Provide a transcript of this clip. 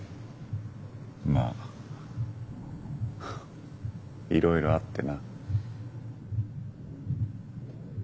まあいろいろあってな。